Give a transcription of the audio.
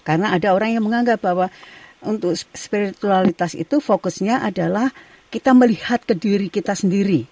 karena ada orang yang menganggap bahwa untuk spiritualitas itu fokusnya adalah kita melihat ke diri kita sendiri